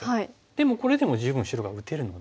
でもこれでも十分白が打てるので。